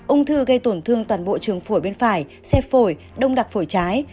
ung thư gây tổn thương toàn bộ trường phổi bên phải xe phổi đông đặc phổi trái